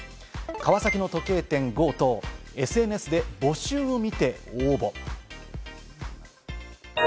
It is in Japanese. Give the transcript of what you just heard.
川崎の時計店強盗、ＳＮＳで募集を見て応募。